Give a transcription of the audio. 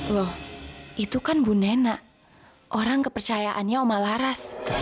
loh itu kan bu nena orang kepercayaannya oma laras